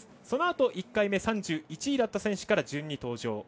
そのあと１回目３１位だった選手から順に登場。